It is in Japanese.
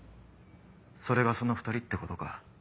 それがその２人ってことか。